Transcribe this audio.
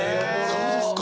そうですか！